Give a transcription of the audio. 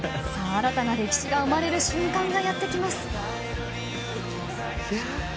新たな歴史が生まれる瞬間がやってきます。